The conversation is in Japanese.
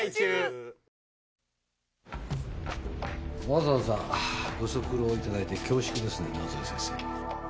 わざわざご足労いただいて恐縮ですね野添先生。